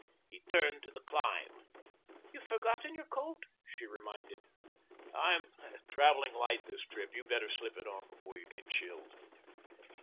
He turned to the climb. "You've forgotten your coat," she reminded. "I'm traveling light this trip. You'd better slip it on before you get chilled."